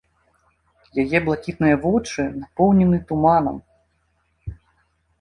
Яе блакітныя вочы напоўнены туманам.